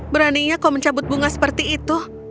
beraninya kau mencabut bunga seperti itu